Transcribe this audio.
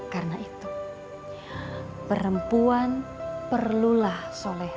karena itu perempuan perlulah soleha